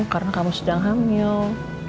karena kamu sedang hamil